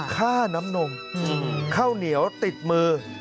ค่าน้ำนมข้าวเหนียวติดมือ